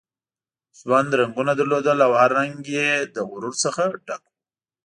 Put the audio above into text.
ژوند رنګونه درلودل او هر رنګ یې له غرور څخه ډک وو.